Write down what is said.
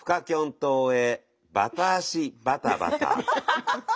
島へバタ足バタバタ！」。